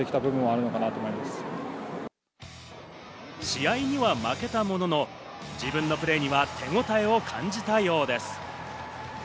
試合には負けたものの自分のプレーには手応えを感じたようです。